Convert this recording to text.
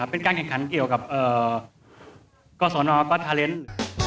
เป็นการแข่งขันเกี่ยวกับกศนป๊ทาเลนส์